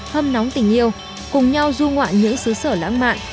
giống tình yêu cùng nhau du ngoại những xứ sở lãng mạn